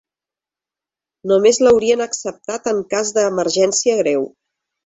Només l'haurien acceptat en cas d'emergència greu.